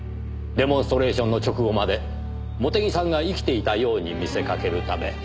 デモンストレーションの直後まで茂手木さんが生きていたように見せかけるため。